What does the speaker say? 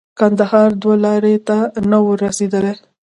کندهار دوه لارې ته نه وو رسېدلي.